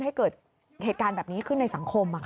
ให้เกิดเหตุการณ์แบบนี้ขึ้นในสังคม